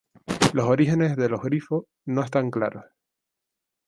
Los orígenes de los Grifo no están claros.